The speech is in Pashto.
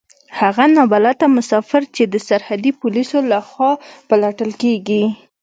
هغه نا بلده مسافر چې د سرحدي پوليسو له خوا پلټل کېږي.